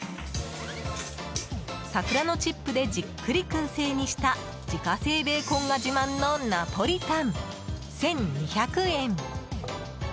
桜のチップでじっくり燻製にした自家製ベーコンが自慢のナポリタン、１２００円。